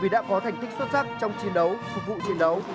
đã có thành tích xuất sắc trong chiến đấu phục vụ chiến đấu